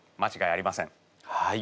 はい。